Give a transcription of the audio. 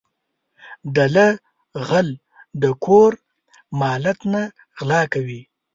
دله غل د کور مالت نه غلا کوي.